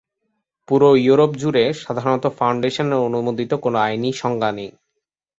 পুরো ইউরোপ জুড়ে সাধারণত ফাউন্ডেশনের অনুমোদিত কোনো আইনি সংজ্ঞা নেই।